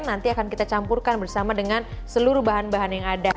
nanti akan kita campurkan bersama dengan seluruh bahan bahan yang ada